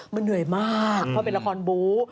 มันเหนื่อยมากเพราะเป็นละครบู๊